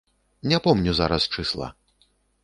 Не помню зараз чысла.